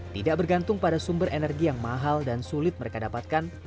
tidak bergantung pada sumber energi yang mahal dan sulit mereka dapatkan